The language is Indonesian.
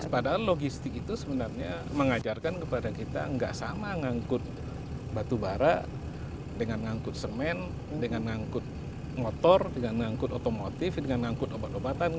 padahal logistik itu sebenarnya mengajarkan kepada kita nggak sama ngangkut batu bara dengan ngangkut semen dengan ngangkut motor dengan mengangkut otomotif dengan ngangkut obat obatan